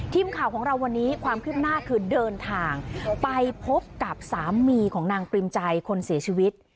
ทีมข่าวของเราวันนี้ความคืบหน้าคือเดินทางไปพบกับสามีของนางปริมใจคนเสียชีวิต